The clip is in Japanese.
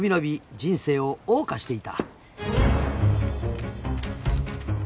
人生を謳歌していた］